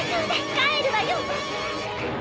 帰るわよ！